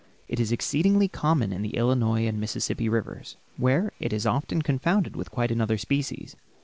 It is exceedingly common in the Illinois and Mississippi rivers, where it is often confounded with quite another species.